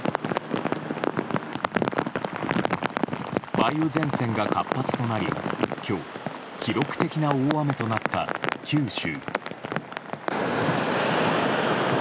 梅雨前線が活発となり今日、記録的な大雨となった九州。